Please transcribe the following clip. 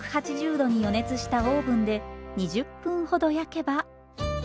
℃に予熱したオーブンで２０分ほど焼けば。